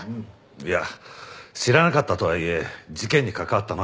いや知らなかったとはいえ事件に関わったのは事実だ。